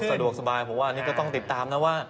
สะดวกสบายผมว่าอันนี้ก็ต้องติดตามนะว่า